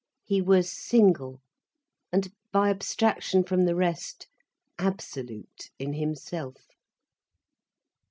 He was single and, by abstraction from the rest, absolute in himself.